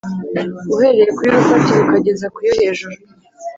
uhereye ku y’urufatiro ukageza ku yo hejuru